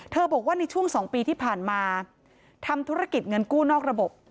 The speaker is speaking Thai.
บอกว่าในช่วง๒ปีที่ผ่านมาทำธุรกิจเงินกู้นอกระบบ